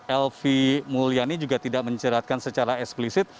elvi mulyani juga tidak menceratkan secara eksplisit